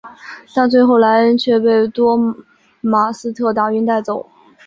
但最后莱恩却被多马斯特打晕带走。